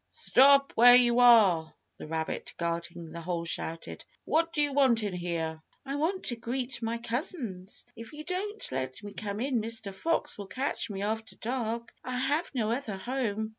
"Stop where you are!" the rabbit guarding the hole shouted. "What do you want in here?" "I want to greet my cousins. If you don't let me come in Mr. Fox will catch me after dark. I have no other home."